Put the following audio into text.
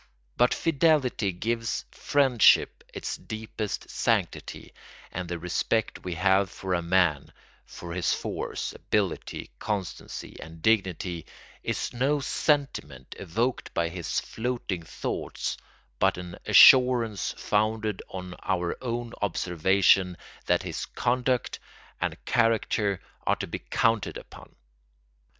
But fidelity gives friendship its deepest sanctity, and the respect we have for a man, for his force, ability, constancy, and dignity, is no sentiment evoked by his floating thoughts but an assurance founded on our own observation that his conduct and character are to be counted upon.